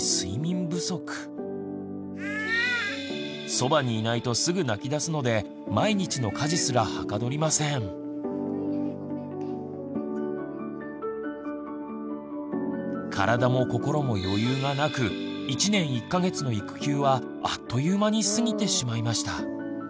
そばにいないとすぐ泣きだすので毎日の体も心も余裕がなく１年１か月の育休はあっという間に過ぎてしまいました。